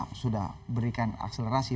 rocky sudah berikan akselerasi